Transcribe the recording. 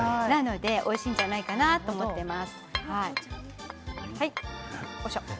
おいしいんじゃないかなと思っています。